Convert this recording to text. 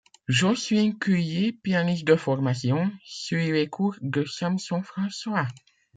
Jocelyne Cuiller, pianiste de formation, suit les cours de Samson François.